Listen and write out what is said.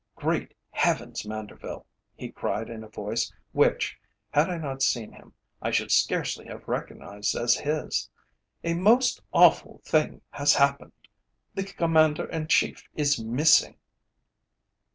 "Great Heavens! Manderville," he cried in a voice which, had I not seen him, I should scarcely have recognised as his, "a most awful thing has happened. The Commander in Chief is missing."